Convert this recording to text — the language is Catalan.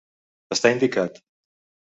Està indicat.